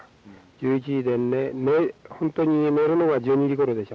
１１時でホントに寝るのが１２時ごろでしょ。